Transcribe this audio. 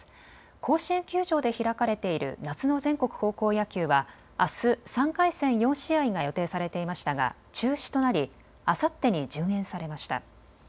甲子園球場で開かれている夏の全国高校野球はあす３回戦４試合が予定されていましたが中止となりあさってに順延されました。